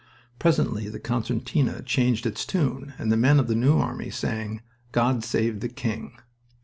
Presently the concertina changed its tune, and the men of the New Army sang "God Save the King."